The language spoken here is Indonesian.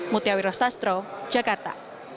mutiawira sastro jakarta